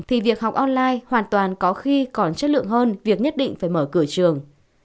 thì việc học online hoàn toàn có khi còn chất lượng hơn việc nhất định phải mở cửa trường